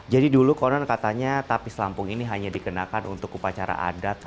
jadi dulu koron katanya tapis lampung ini hanya dikenakan untuk upacara adik